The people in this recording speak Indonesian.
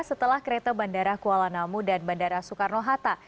setelah kereta bandara kuala namu dan bandara soekarno hatta